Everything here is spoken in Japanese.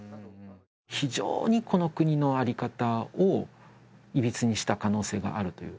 非常にこの国の在り方をいびつにした可能性があるという。